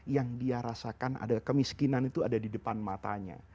yang dia rasakan adalah kemiskinan itu ada di depan matanya